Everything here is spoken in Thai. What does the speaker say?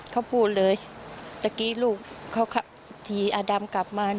เค้าพูดเลยตะกี้ลูกเค้าขับสีอดังกลับมานะ